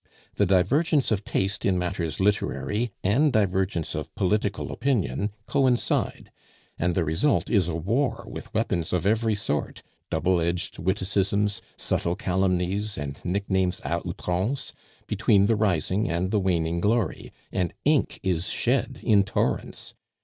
The divergence of taste in matters literary and divergence of political opinion coincide; and the result is a war with weapons of every sort, double edged witticisms, subtle calumnies and nicknames a outrance, between the rising and the waning glory, and ink is shed in torrents.